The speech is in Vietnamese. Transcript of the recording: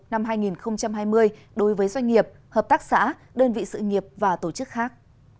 năm hai nghìn hai mươi đối với doanh nghiệp hợp tác xã đơn vị sự nghiệp và tổ chức khác